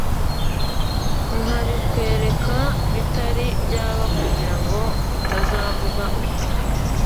nkabikwereka bitari byaba kugira ngo utazavuga uti